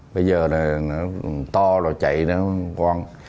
bây giờ nó to rồi chạy nó quăng